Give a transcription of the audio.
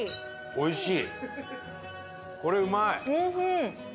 おいしい！